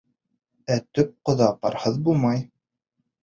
Ә төп ҡоҙа парһыҙ булмай.